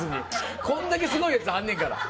これだけすごいやつあんねんから。